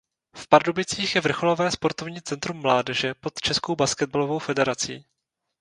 V Pardubicích je Vrcholové sportovní centrum mládeže pod Českou basketbalovou federací.